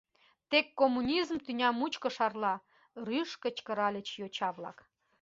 — Тек коммунизм тӱня мучко шарла! — рӱж кычкыральыч йоча-влак.